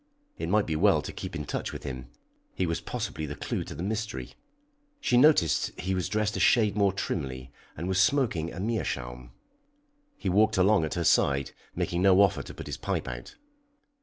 It might be well to keep in touch with him; he was possibly the clue to the mystery. She noticed he was dressed a shade more trimly, and was smoking a meerschaum. He walked along at her side, making no offer to put his pipe out.